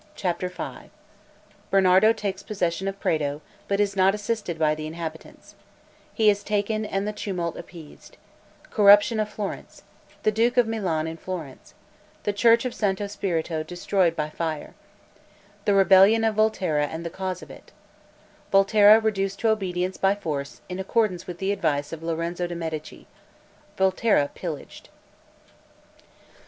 CHAPTER V Bernardo takes possession of Prato, but is not assisted by the inhabitants He is taken, and the tumult appeased Corruption of Florence The duke of Milan in Florence The church of Santo Spirito destroyed by fire The rebellion of Volterra, and the cause of it Volterra reduced to obedience by force, in accordance with the advice of Lorenzo de' Medici Volterra pillaged.